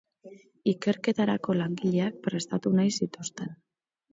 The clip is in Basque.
Ikerketarako langileak prestatu nahi zituzten.